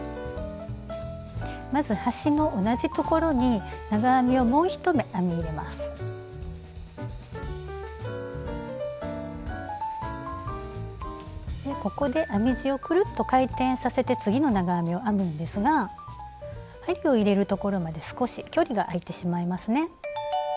まず端の同じところにここで編み地をくるっと回転させて次の長編みを編むんですが針を入れるところまで少し距離が開いてしまいますね。